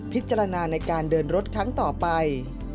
พิจารณาในการเดินรถครั้งต่อไป